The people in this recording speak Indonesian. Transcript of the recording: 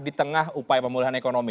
di tengah upaya pemulihan ekonomi